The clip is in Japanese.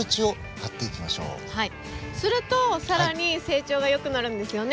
すると更に成長が良くなるんですよね？